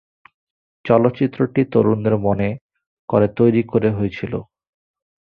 চলচ্চিত্রটি তরুণদের মনে করে তৈরি করে হয়েছিল।